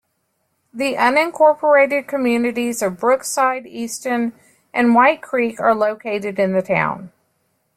The unincorporated communities of Brookside, Easton, and White Creek are located in the town.